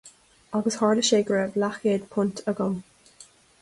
Agus tharla sé go raibh leathchéad punt agam.